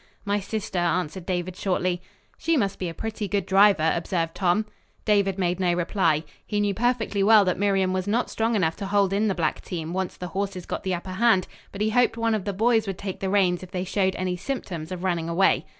"My sister," answered David shortly. "She must be a pretty good driver," observed Tom. David made no reply. He knew perfectly well that Miriam was not strong enough to hold in the black team, once the horses got the upper hand; but he hoped one of the boys would take the reins if they showed any symptoms of running away.